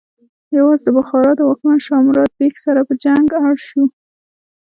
یوازې د بخارا د واکمن شاه مراد بیک سره په جنګ اړ شو.